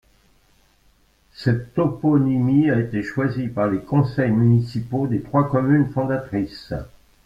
Cette toponymie a été choisie par les conseils municipaux des trois communes fondatrices.